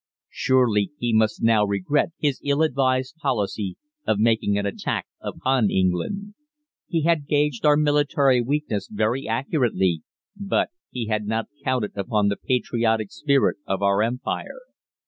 Surely he must now regret his ill advised policy of making an attack upon England. He had gauged our military weakness very accurately, but he had not counted upon the patriotic spirit of our Empire.